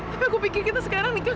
tapi aku pikir kita sekarang nih